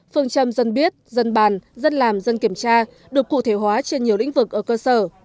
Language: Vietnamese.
phương châm dân biết dân bàn dân làm dân kiểm tra được cụ thể hóa trên nhiều lĩnh vực ở cơ sở